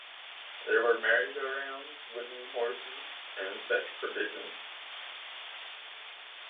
There were merry-go-rounds, wooden horses, and such provision.